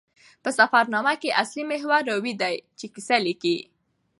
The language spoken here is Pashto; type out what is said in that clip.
په سفرنامه کښي اصلي محور راوي ده، چي کیسه لیکي.